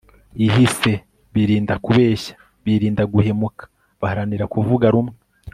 ihise. birinda kubeshya, birinda guhemuka, baharanira kuvuga rumwe